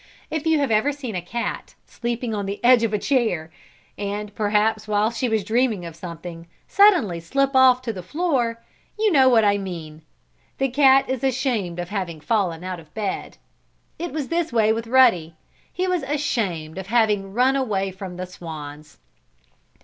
If you have ever seen a cat, sleeping on the edge of a chair, and, perhaps while she was dreaming of something, suddenly slip off to the floor, you know what I mean. The cat is ashamed of having fallen out of bed. It was this way with Ruddy. He was ashamed of having run away from the swans.